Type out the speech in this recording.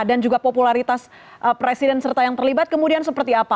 dan juga popularitas presiden serta yang terlibat kemudian seperti apa